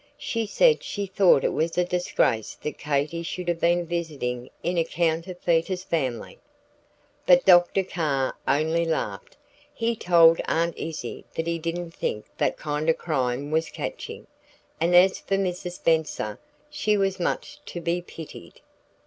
She said she thought it was a disgrace that Katy should have been visiting in a counterfeiter's family. But Dr. Carr only laughed. He told Aunt Izzie that he didn't think that kind of crime was catching, and as for Mrs. Spenser, she was much to be pitied.